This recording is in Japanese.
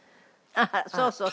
あっそうそうそう。